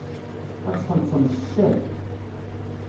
Ad txellṣem s ccak.